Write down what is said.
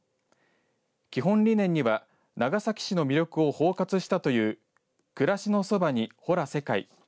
基本理念には長崎市の魅力を包括したという暮らしのそばに、ほら世界。